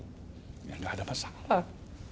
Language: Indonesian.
nggak ada masalah